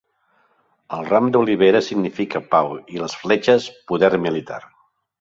El ram d'olivera significa pau i les fletxes, poder militar.